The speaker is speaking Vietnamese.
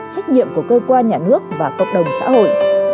trách nhiệm của cơ quan nhà nước và cộng đồng xã hội